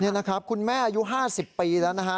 นี่นะครับคุณแม่อายุ๕๐ปีแล้วนะฮะ